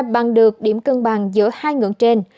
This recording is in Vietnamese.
bằng được điểm cân bằng giữa hai ngưỡng trên